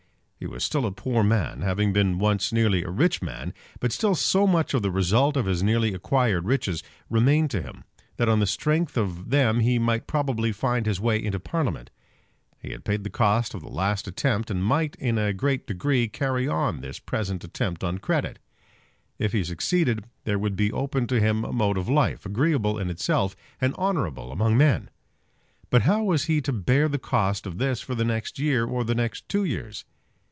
He was still a poor man, having been once nearly a rich man; but still so much of the result of his nearly acquired riches remained to him, that on the strength of them he might probably find his way into Parliament. He had paid the cost of the last attempt, and might, in a great degree, carry on this present attempt on credit. If he succeeded there would be open to him a mode of life, agreeable in itself, and honourable among men. But how was he to bear the cost of this for the next year, or the next two years?